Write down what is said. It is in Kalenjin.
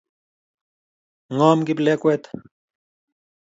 Ngom kiplengwet